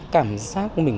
cảm giác của mình